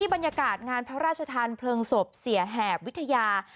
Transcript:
บรรยากาศงานพระราชทานเพลิงศพเสียแหบวิทยา